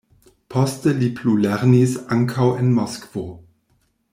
Poste li plulernis ankaŭ en Moskvo.